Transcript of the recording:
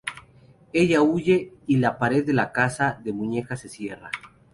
Ella huye, y la pared de la casa de muñecas se cierra.